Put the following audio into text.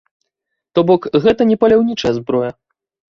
То бок гэта не паляўнічая зброя.